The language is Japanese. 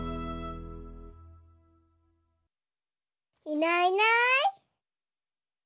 いないいない。